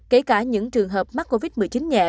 kể cả những trường hợp mắc covid một mươi chín nhẹ